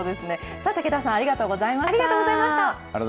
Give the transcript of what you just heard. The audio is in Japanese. さあ、武田さん、ありがとうござありがとうございました。